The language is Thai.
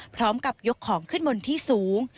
พร้อมกับยกของขึ้นบนที่สูง